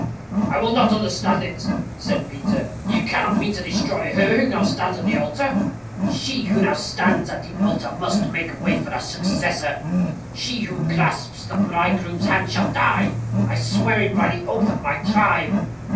"I will not understand it," said Peter. "You cannot mean to destroy her who now stands at the altar?" "She who now stands at the altar must make way for a successor. She who grasps the bridegroom's hand shall die. I swear it by the oath of my tribe."